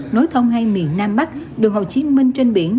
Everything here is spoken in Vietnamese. nối thông hai miền nam bắc đường hồ chí minh trên biển